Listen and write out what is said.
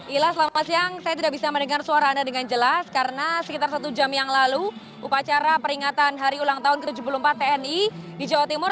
ila selamat siang saya tidak bisa mendengar suara anda dengan jelas karena sekitar satu jam yang lalu upacara peringatan hari ulang tahun ke tujuh puluh empat tni di jawa timur